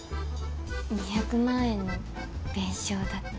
２００万円の弁償だって。